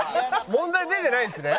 問題出てないんですね？